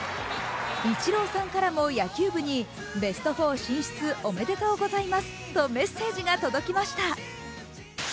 イチローさんからも野球部にベスト４進出おめでとうございますとメッセージが届きました。